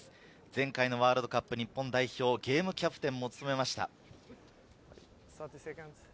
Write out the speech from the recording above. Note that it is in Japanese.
前回のワールドカップ日本代表ゲームキャプテンを務めました。